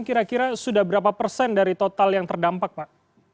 kira kira sudah berapa persen dari total yang terdampak pak